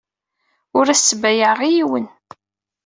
Ur as-ttbayaɛeɣ i yiwen.